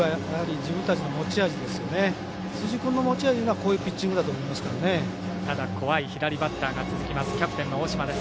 辻君の持ち味はこういうピッチングだとまだ怖い左バッターが続きます